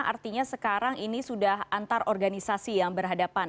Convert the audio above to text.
artinya sekarang ini sudah antarorganisasi yang berhadapan